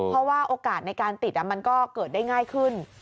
เพราะว่าโอกาสในการติดมันก็เกิดได้ง่ายขึ้น